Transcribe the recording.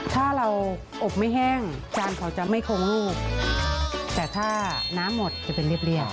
ถ้าเราอบไม่แห้งจานเขาจะไม่คงลูกแต่ถ้าน้ำหมดจะเป็นเรียบ